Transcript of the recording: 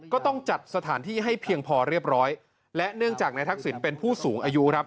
ก็ต้องจัดสถานที่ให้เพียงพอเรียบร้อยและเนื่องจากนายทักษิณเป็นผู้สูงอายุครับ